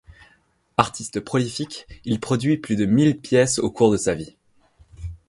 Artiste prolifique, il produit plus de mille pièces au cours de sa vie.